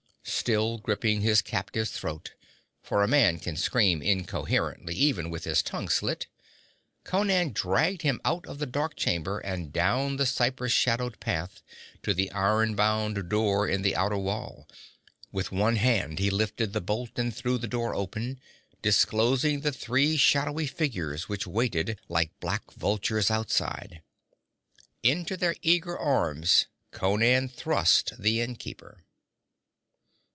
Still gripping his captive's throat for a man can scream incoherently even with his tongue slit Conan dragged him out of the dark chamber and down the cypress shadowed path, to the iron bound door in the outer wall. With one hand he lifted the bolt and threw the door open, disclosing the three shadowy figures which waited like black vultures outside. Into their eager arms Conan thrust the innkeeper.